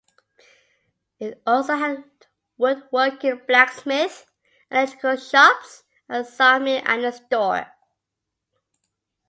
It also had woodworking, blacksmith, and electrical shops, a sawmill and a store.